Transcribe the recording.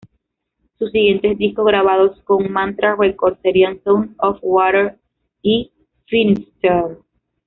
Sus siguientes discos, grabados con Mantra Records, serían "Sound Of Water" y "Finisterre".